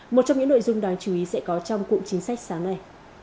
một trong những nội dung đáng chú ý sẽ có trong cụm chính sách sáng nay